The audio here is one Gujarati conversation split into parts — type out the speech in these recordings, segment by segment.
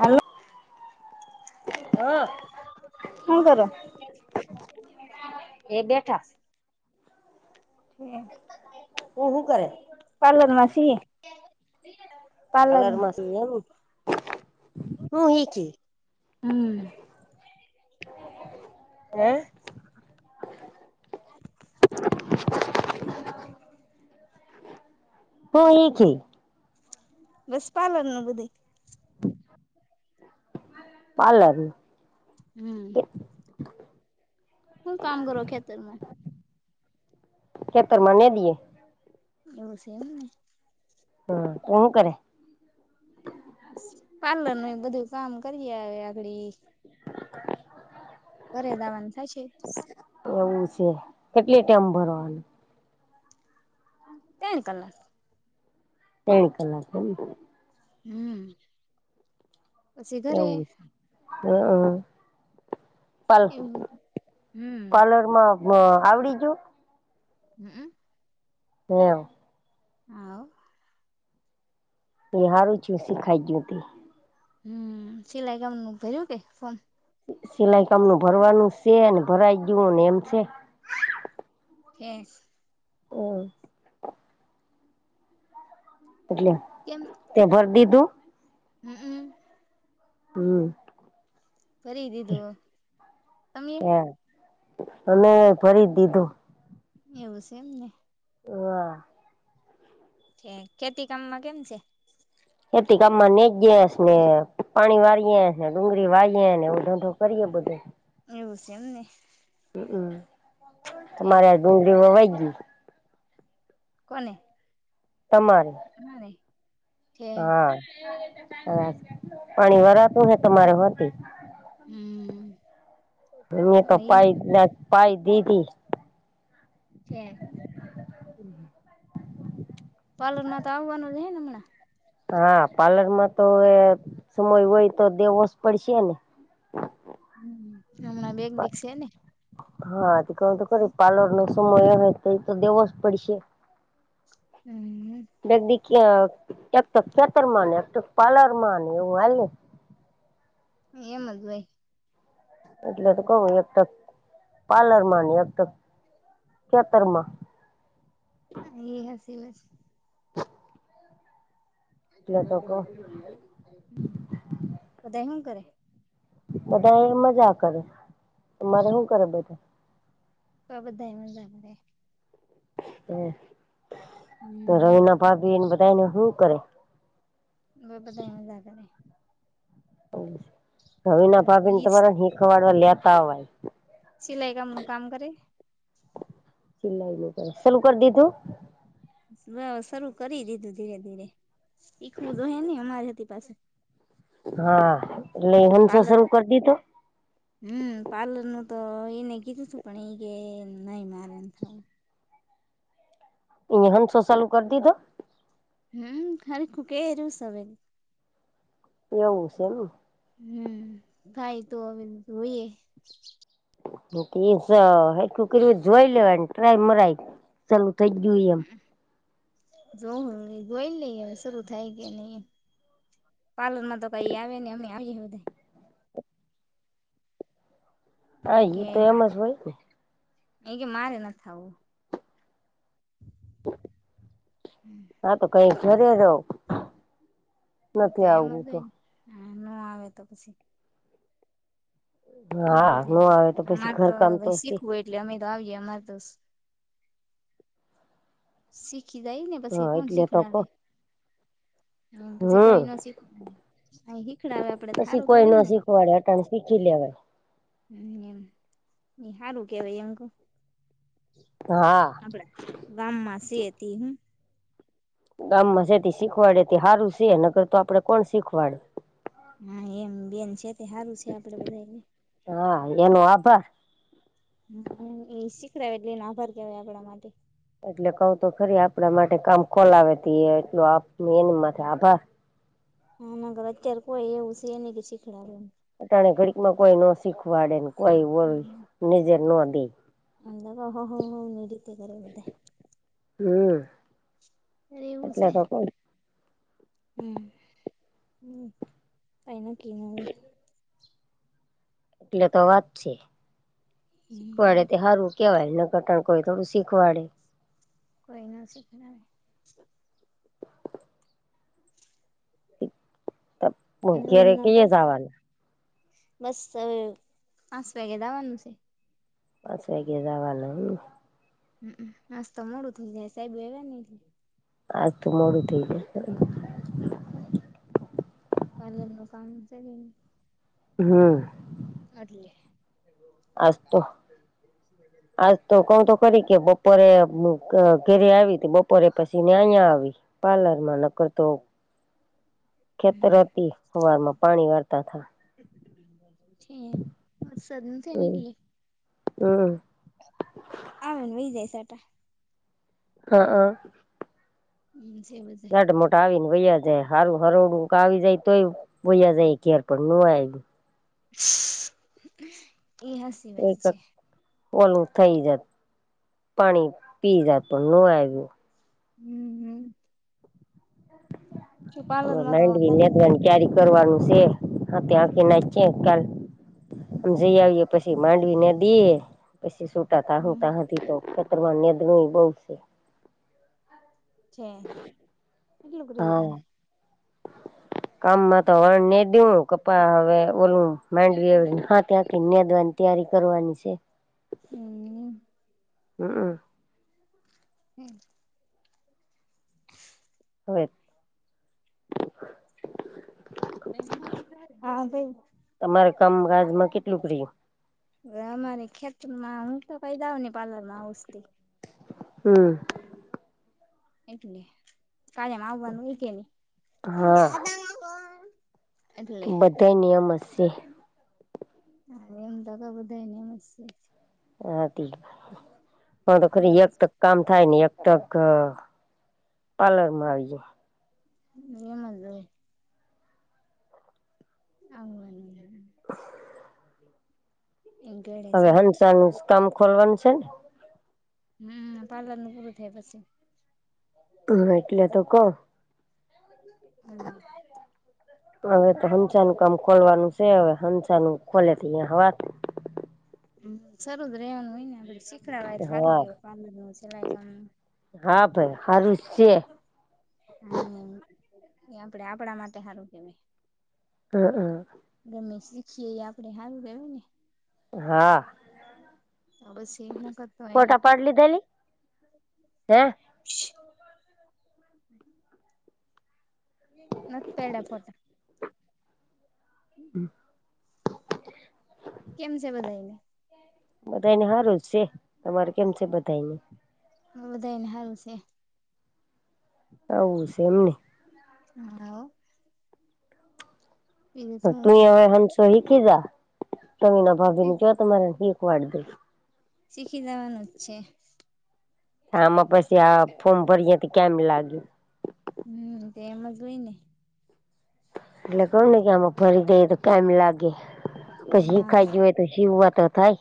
હાલો હા હું કરો એ બેઠા તું હું કરે પારલોદ માસી અલર માસ એમ [unintelligible] હું હી છે હમ હે [inaudible] હમ [unintelligible] હું ઈખી બસ પાર્લર ન બધે પારલર હમ કે હું કામ કરો ખેતરમાં? ખેતરમાં નીદિએ એવું છે એમ ને? હમ તું હું કરે પાર્લર ન બધું કામ કરીએ આવે આગડી ઘરે જવાનું થાશે એવું છે કેટલી ટેમ ભરવાનું ત્રણ કલાક ત્રણ કલાક એમ ને? હમ. પછી ઘરે એવું છે. હ. એવું હમ [inaudible] પાર્લરમાં આવડી ગ્યું? હમ. હવ હા. એ હારું થિયું શુંખાઈ ગયું તે. હમ, સિલાઈકામનું ભરિયું કે ફોમ? સિલાઈ કામનું ભરવાનું છે અને ભરાઈ ગયું અને એમ છે. ઠેસ. ઓ. એટલે તુંવે ભર દીધું? હમ હમ. હમ કરી દીધું. તમે? અને ભરી દીધું. એવું છે એમ ને. હા. છે ખેતી કામમાં કેમ છે? ખેતી કામમાં ને જ ને પાણી વાળએે ને ડુંગળી વાળયએે ને એવું ધંધો કરીએ બધે. એવું છે એમ ને. હમ તમારે ઠેક આ ડુંગળી વવાઈ ગઈ. કોને? તમારે? નઈ. હા પાણી વરાતું હે તમારે હરખું? હમ. મે ક [unintelligible] એ પાય પાઈ દીધ હતી. હમ. પાર્લરમાં તો આવવાનું એમને? હા પાર્લરમાં તો એ સમય હોય તો દેવો જ પડશે ને? હમ, હમણા બેક દી સે ને? હા ક તો ખરે પાલર નો સમય એય તો એ તો દેવો જ પડશે. હમ. એક દી એક પગ ખેતર માં ને એક પગ પાર્લર માં ને એવું હાલે. એમજ હોય. એટલે તો કવું એક તક પાર્લર માં ને એક તક ખેતરમાં. હા એ હસી બસ. એટલે તો કવ હમ, બધા હું કરે? બધા એ મજા કરે, તમારે શું કરે બધા? તો બધા મજા કરે. હ તો હમ રવિના ભાભી એને બધાને હું કરે? હવે બધા ઓલા ઘરે રવિના ભાભી ને તમારા હિખવડવા લેતા આવો સિલાઈ કામનું કામ કરે [inaudible] ચાલું કરી દીધું? હોવ શરૂ કરી દીધું ધીરે ધીરે શીખવું તો હે નહી અમારી થી પાસે. હા એટલે હંસો પાર્લર શરૂ કરી દીધો? હમ પાર્લર નું તો એને કીધું તું પણ એ કે નહી મારે નથી કરવું. અયા [inaudible] ચાલુ કરી દીધો? હમ હલખુ કર્યું સવે એવું છે એમ હમ થાય તો હવે જોઈએ મીન્સ અ હરખું કર્યું તો જોઈ લેવાય ટ્રાય મરાય ચાલુ થઈ જ ગયું એમ જોવું જોઈ લઈએ હવે શરૂ થાય કે નહી પાર્લરમાં તો કઈ આવે ને અમને આવી હા એ ઈ કે તો એમ મારે જ હોય ને એ કે મારે ન થ આવું હા તો કઈ ઘેરે રયો તો નથી આવવું એમાં તો હા ન આવે તો પછી અમાર હા ન બધું આવે તો પછી અમાર તો ઘરકામ હ શીખવું એટલે અમે તો આવીએ અમાર તો શી શીખી જાય ને પછી કોણ એટલે તો કો શીખડાવે પછી હમ કોઈ ન શીખ શીખવાડે તો હારુ કહેવાય ને કુંવરે અટાણે શીખી લેવાય હ એમ સારું કેવાય એમ કવ હા આપણે ગામમાં છીએ તે હું ગામમાં જેથી શીખવાડે સારું છેને અગર તો આપડે કોણ શીખવાડે હા એમ બેન છે તે સારું છે આપડે બધાંયને હા એનો આભાર હમ સિખડાવે એટલે આભાર કેવાય આપણા માટે એટલે કઉ તો ખરી આપણા માટે કામ ખોલવે તો એ એટલો એની માટે આભાર હા મગર અત્યારે કોઈ એવું છે એ નહી કે શીખવાડે તને ઘડીકમાં કોઈ ન શીખવાડે કોઈ નજર ના દે હમમ હમમ એની રીતે કરે બધાય હમ એવું એટલે છે તો હમ કઈ નક્કી ન હોય એટલે તો વાત છે શીખવાડે હમ તે સારું છે કહેવાય એ ન ઘટાણ કોઈ થોડું શીખવાડે કોઈ નજીકમાં ત [inaudible] નવીનમાં કઈ બસ પાંચ વાગે જવાનું છે. પાંચ વાગ્યે જવાનું એમ હમ હસ તો મોડું થઈ જાય સાહેબ એવા નહ આતું મોડું થઈ ગ પાલર્રનું કામ છે. હમ એટલે આજ તો આજ તો કવ તો કરી કે બપોરે ઘરે આવી બપોરે પછીને અહીયાં આવી. પાર્લરમાં ન કરતો. [inaudible] ખેતરે હમ હતી સવારમાં પાણી સારતા હતાં. છે વરસાદ નથી ને હમ એટલે હમ આવીને વહી જાય છાટા હ અ [unintelligible] હમ સેવ છે નાાટ મોટા આવી ને વયા જાય હારું હરોડું આવી જાય તોય વયા જાય ઘેર પડે ન આવી એ હ કોઈ ઓલું થઇ જત. પાણી પી જાય પણ ન આવ્યું. હમ હમ છુપા હ માંડવી નેધવાની ક્યારે કરવાનું છે. હા ત્યાંખી નાખ કાલ આમ જઈ આવીએ પછી માંડવીને દઈએ. પછી સુટા તાહુ તા હમ સુધી ધન બોઉ સે છે. કેટલુંક રહ્યું હા કામ કામમાં તો વણને દવ કપા હવે ઓલું. માંડવી હા ત્યાં ક ન્યાદવાની તૈયારી કરવાની છે. હમ હમ મ હમ હોય. [unintelligible] ફેસબુક [unintelligible] બે હા ભ તમારે કામકાજમાં કેટલું રિયું? હવે અમારી ખેતરમાં હું તો કાયદા ને પ્લર માં ષી હમ એટલે કાળમાં આવવાનું એ કે ન હા બધાં નિયમ હશે. હા એમ તો ક બધાય ને એમસ્ છે. હા હ તો એમ જ ખરી એક ત. [unintelligible] કામ થાય ની એક ત પાર્લરમાં આવી જાવ. નિયમ જ ને આવવાનું છે. [inaudible] હમ [inaudible] હવે હંસાનું કામ ખોલવાનું છે ને હમ પાર્લર નું પૂરું થાય પછી. હમ એટલે તો કોહ. હમ. હવે તો હનસા નું કામ ખોલવાનું છે હવે હનસા નું ખોલે ત્યારે હવાર હમ સરું જ રવાનું હોય ને આપ શી. [unintelligible] કય સારું હા કેવાય પાણી ન સિલાઈામ હા ભાઈ હારું છે હા એમ આપડે આપડા માટે સારું કેવાય. હ હ. ગમે શીખીએ આપડણે સારું કેયું ને. હા. હા બસ એવીજના કરતો રહે ઈ. ફોટા પાડ લીધેલી હે [unintelligible] ફોટા. હમ. [inaudible] કેમ છે, બધાઈ ને. બધાઈ ને સારુંજ છે, તમારે કેમ છે, બધાઈ ને. હ [inaudible] બધાઈ ને સારું છે. હવું [inaudible] છે એમ ને. હ. [inaudible] તું હવે હંસો હિકીજા તમારા ભાભીને કૉય તમારે હિકવાડ દે. શીખી જવાનું જ છે. આમાં પછી આ ફોર્મ ભરીય તો કેમ લાગ્યું. હમ તે એમ જ હોય ને. એટલે [inaudible] ને કે આમાં [unintelligible] [unintelligible] હા શીખાઈ જ હોય તો શીવવા તો થાય.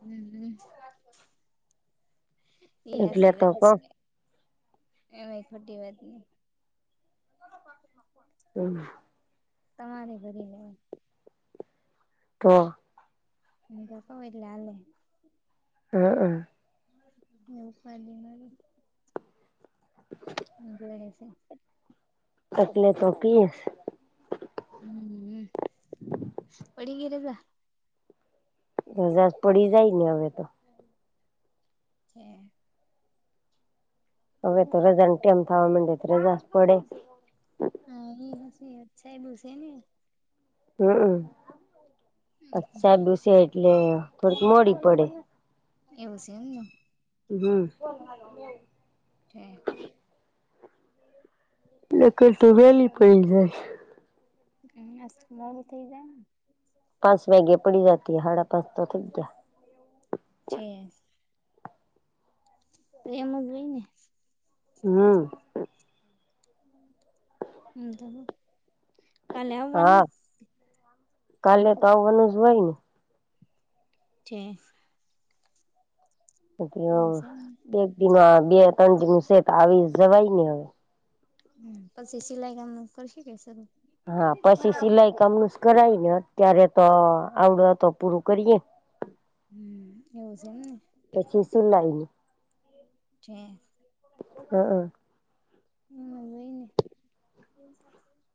હમ હ હ ઈ એટલે હાચી તો વાત કઉ છે. એમાંય ખોટી વાત નહી. હમ. તમારે ઘરી લેવા. તો. [unintelligible] એલ લે. [unintelligible] હમ હમ. એવું ફાલી મારી. [inaudible] એટલે તો કહે છે. હમ પડીંગીરલ. રજા પડી જાય ને હવે તો. [unintelligible] હવે તો રજા ને કેમ થવા માંડે તો રજા પડે. હા એ હ અચ્છા એ બુસે. [unintelligible] હમમ અચછાબુસે [unintelligible] એટલે થોડીક મોડી પડે. એવું છે, એમને. હમ. હ. એ. [unintelligible] તો વેલી પડી જાય. હમ [unintelligible] મોવું થઇ જાય ને. પાંસ વગે પડી જતી સાડા પાંચ તો થાઈ ગયા. છે. એમ જ હોય ને. હમ હ તો [unintelligible] કાલે હા આવવાનું કાલે તો આવવાનુજ હોય ને. [unintelligible] એવું છે [unintelligible] બે ત્રણ દમું છે, તો આવી જવાય ને હવે. પછી સિલાઈ કામ ન કરશે કે શરૂ હા પછી સિલાઈ કામનુ જ કરાય ને અત્યારે તો આવડો હતો. હમ એવુ છે, એમ ને. પછી સિલાઈ જે. [unintelligible] હ હોય ને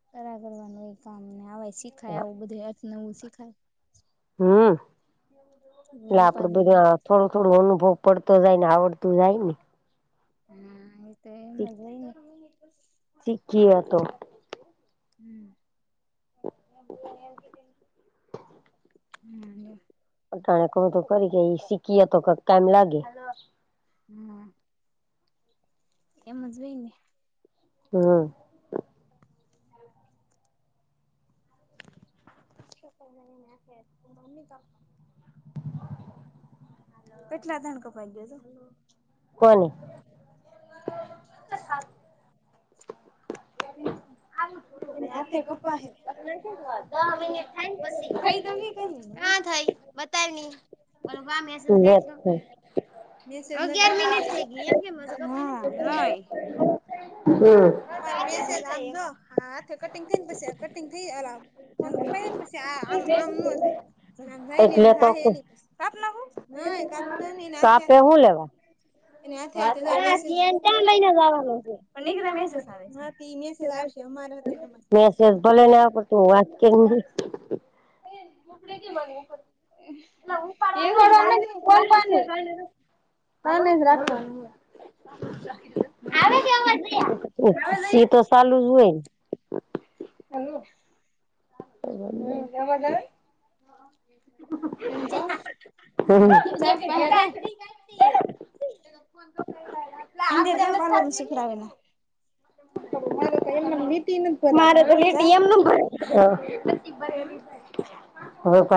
ખરા કરવાનું એ કામ ને આવે [unintelligible] [unintelligible] આવું બધું [unintelligible] નવું શીખાય. હમ એ એટલે આપડું ઉપાધિ નહી બધું. થોડો થોડો અનુભવ પડતો જાય ને આવડતું જાય ને. હા એ તો [unintelligible] શીખીએ તો. હમ્મ [unintelligible] [unintelligible] ટાણે કહું તો ખરી કે એ શીખીએ તો કાક ટાઈમ લાગે. હમ્મ. એમ જ હોય ને હમ્મ. [unintelligible] [unintelligible] કેટલા ધણ કપાઈ ગયા જો કોણ કાપી નાખશો. આર્થિક કપ્પા હે દ મિનિટ થાયને પછી થઈ તો ગી થઈ કા થઈ બતાવ ની ભલવાર મેસેજ હમ કાઢ તો મિસ એ અગિયાર મિનિટ થઇ ગઈ એમ કેમ હશે હા નઈ હમ્મ. તમારો મેસેજ હા જો હા. કટિંગ થઈ ને પછી કટિંગ થઈ કપાયને પછી આ આમ આમ ના જાય આમ જાય ને એમ એટલે તો જાહે નહી પછી કાપતા ના હો નઈ કાપતા નહી ને તો નાખે આપે કાપે હું લેવા લેવા [unintelligible] ઈઅન મહિના જવાનો છે. પણ નીકરા મેસેજ આવે હા તે મેસેજ આવશે અમારે તો મેસેજ ભલે ને લેવા આપ પડશે તું હા વાત તે કે કરી જે બેન ઉપડે કે મને બોલ એવું એવું [unintelligible] [unintelligible] એ તો ચાલુ સી તો જ ચાલુ જ ને હોય [inaudible] અવાજ આવે છે. તમે જાવ ચાક પાહે રાવ અંદર જા પાર્લર નું શીખડા વેરા [inaudible] [unintelligible] હવે પા